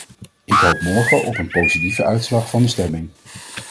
Ik hoop morgen op een positieve uitslag van de stemming.